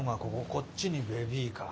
こっちにベビーカー。